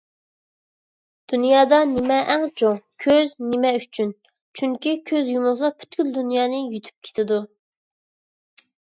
_ دۇنيادا نېمە ئەڭ چوڭ؟ _ كۆز. _ نېمە ئۈچۈن؟ _ چۈنكى كۆز يۇمۇلسا، پۈتكۈل دۇنيانى يۇتۇپ كېتىدۇ